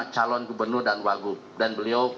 calon gubernur dan wagub dan beliau